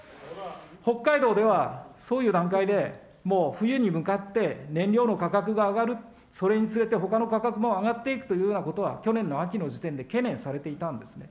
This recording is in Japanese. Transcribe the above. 北海道ではそういう段階で、もう冬に向かって、燃料の価格が上がる、それにつれてほかの価格も上がっていくというようなことは、去年の秋の時点で懸念されていたんですね。